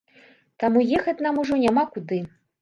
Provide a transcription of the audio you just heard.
Таму ехаць нам ужо няма куды.